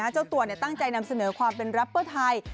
เจ้าตัวตั้งใจนำเสนอความเป็นแรปเปอร์ไทย